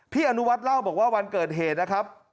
อนุวัฒน์เล่าบอกว่าวันเกิดเหตุนะครับ